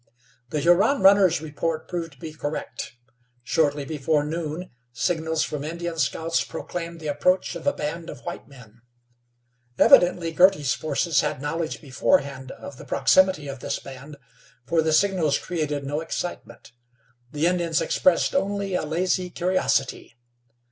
The Huron runner's report proved to be correct. Shortly before noon signals from Indian scouts proclaimed the approach of a band of white men. Evidently Girty's forces had knowledge beforehand of the proximity of this band, for the signals created no excitement. The Indians expressed only a lazy curiosity.